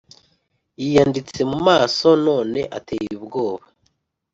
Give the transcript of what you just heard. Yiyanditse mu maso none ateye ubwoba